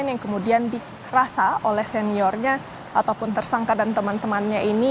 yang kemudian dirasa oleh seniornya ataupun tersangka dan teman temannya ini